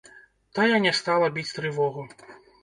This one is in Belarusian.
Тая не стала біць трывогу.